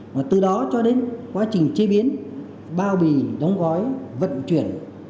và từ đó cho đến quá trình chế biến bao bì đóng gói vận chuyển